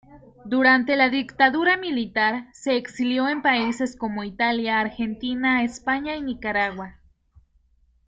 Durante la dictadura militar, se exilió en países como Italia, Argentina, España y Nicaragua.